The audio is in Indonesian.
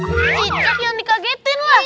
cicek yang dikagetin lah